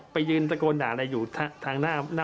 ไปยืนตะโกนด่าอะไรอยู่ทางหน้า